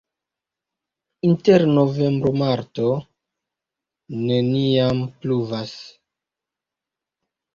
Inter novembro-marto neniam pluvas.